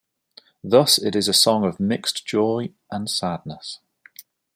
Thus it is a song of mixed joy and sadness.